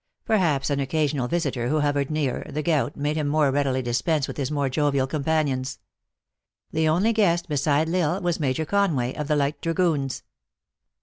Perhaps an occasional vis itor, who hovered near, the gout, made him more readily dispense with his more jovial companions. The only guest, beside L Isle, was Major Con way, of the light dragoons.